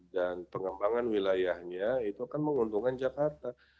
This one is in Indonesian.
dan pengembangan wilayahnya itu kan menguntungkan jakarta